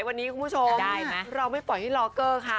วันนี้คุณผู้ชมได้ไหมเราไม่ปล่อยให้รอเกิ้ลค่ะ